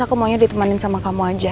aku maunya ditemanin sama kamu aja